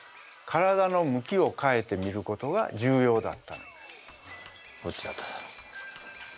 体の向きを変えて見ることが重要だったんです。